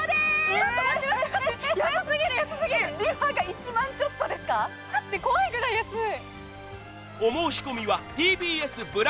ちょっと待って安すぎる安すぎるＲｅＦａが１万ちょっとですか待って怖いぐらい安い